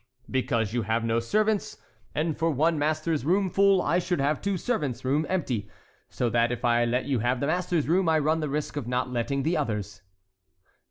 "Because you have no servants, and for one master's room full, I should have two servants' rooms empty; so that, if I let you have the master's room, I run the risk of not letting the others."